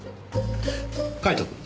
カイトくん。